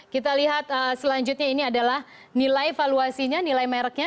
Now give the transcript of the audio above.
kita lihat selanjutnya ini adalah nilai valuasinya nilai mereknya